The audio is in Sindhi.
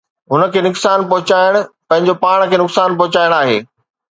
هن کي نقصان پهچائڻ پنهنجو پاڻ کي نقصان پهچائڻ آهي.